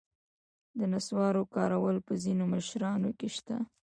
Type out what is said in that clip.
د نصوارو کارول په ځینو مشرانو کې شته.